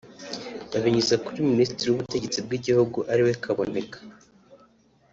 babinyuza kuri Ministre w’ubutegetsi bw’igihugu ari we Kaboneka